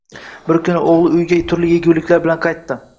Bir kuni o`g`li uyga turli eguliklar bilan qaytdi